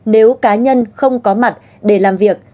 nếu cá nhân không có mặt để làm việc